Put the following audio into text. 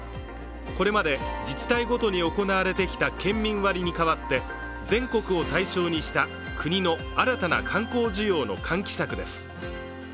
これまで自治体ごとに行われてきた県民割に代わって全国を対象にした国の新たな観光需要の喚起策です。